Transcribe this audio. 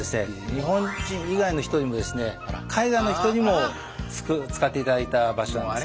日本人以外の人にもですね海外の人にも使っていただいた場所なんですけども。